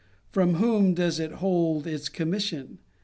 From whom does it hold its commission